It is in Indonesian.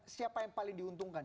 siapa yang paling diuntungkan